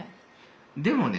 でもね